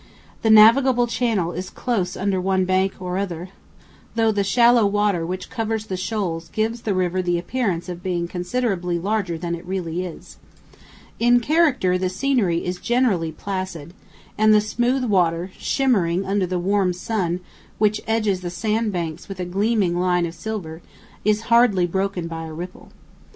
The navigable channel is close under one bank or other, though the shallow water which covers the shoals gives the river the appearance of being considerably larger than it really is. In character the scenery is generally placid, and the smooth water, shimmering under the warm sun which edges the sand banks with a gleaming line of silver, is hardly broken by a ripple.